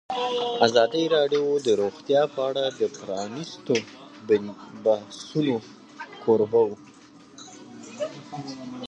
ازادي راډیو د روغتیا په اړه د پرانیستو بحثونو کوربه وه.